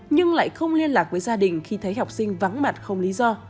nhưng lại không liên lạc với gia đình khi thấy học sinh vắng mặt không lý do